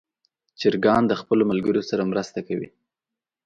چرګان د خپلو ملګرو سره مرسته کوي.